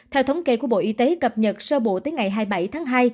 theo thống kê của bộ y tế cập nhật sơ bộ tới ngày hai mươi bảy tháng hai